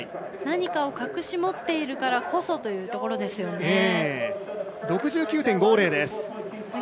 何かを隠し持っているからこそというところですね。